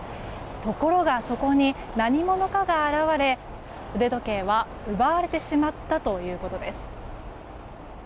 ところが、そこに何者かが現れ腕時計は奪われてしまったということです。